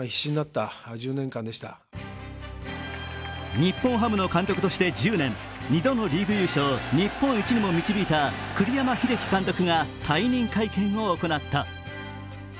日本ハムの監督として１０年、２度のリーグ優勝、日本一にも導いた栗山英樹監督が退任会見を行った。